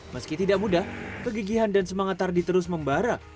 meski tidak mudah kegigihan dan semangat tardi terus membara